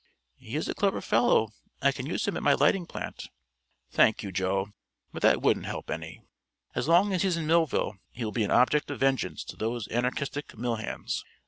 "He's a clever fellow. I can use him at my lighting plant." "Thank you, Joe; but that wouldn't help any. As long as he's in Millville he will be an object of vengeance to those anarchistic mill hands.